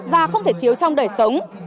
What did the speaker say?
và không thể thiếu trong đời sống